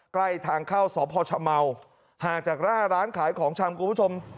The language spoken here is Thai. ใกล้ทางเข้าสพชเมาห่างจากหน้าร้านขายของชำคุณผู้ชม